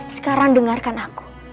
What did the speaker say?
sekarang dengarkan aku